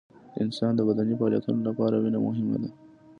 د انسان د بدني فعالیتونو لپاره وینه مهمه ده